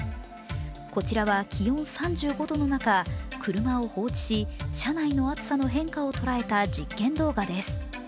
こちらは気温３５度の中車を放置し、車内の暑さの変化を捉えた実験動画です。